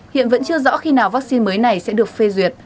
hiện vẫn chưa rõ khi nào vaccine mới này sẽ được phê duyệt